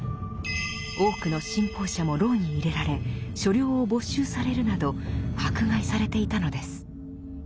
多くの信奉者も牢に入れられ所領を没収されるなど迫害されていたのです。